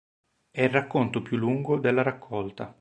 È il racconto più lungo della raccolta.